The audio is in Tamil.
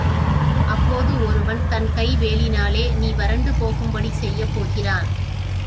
அப்போது ஒருவன் தன் கை வேலினாலே நீ வறண்டு போகும்படி செய்யப் போகிறான்.